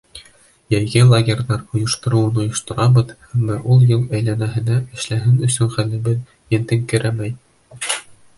Йәйге лагерҙар ойоштороуын-ойошторабыҙ, әммә ул йыл әйләнәһенә эшләһен өсөн хәлебеҙ етеңкерәмәй.